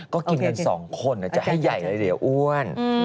ก็กินกัน๒คนจะให้ใหญ่เลยเดี๋ยวอ้วน